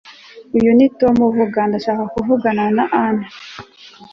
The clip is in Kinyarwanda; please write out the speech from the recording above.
uyu ni tom avuga. ndashaka kuvugana na ann